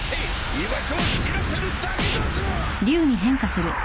居場所を知らせるだけだぞ！